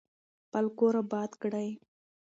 خپل کور اباد کړئ.